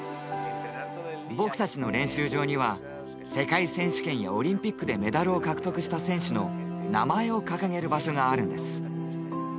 僕たちの練習場には世界選手権やオリンピックでメダルを獲得した選手の名前を掲げる場所があるんです。